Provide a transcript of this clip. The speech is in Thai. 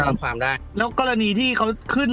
สุดท้ายก็ไม่มีทางเลือกที่ไม่มีทางเลือก